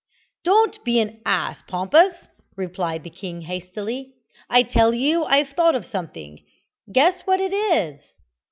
"Don't be an ass, Pompous!" replied the king hastily. "I tell you I've thought of something. Guess what it is."